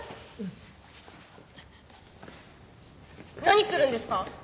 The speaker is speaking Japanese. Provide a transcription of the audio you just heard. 何するんですか？